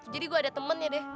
jadi gue ada temennya deh